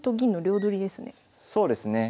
そうですね。